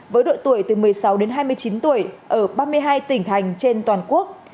với độ tuổi từ một mươi sáu đến hai mươi chín tuổi ở ba mươi hai tỉnh thành trên toàn quốc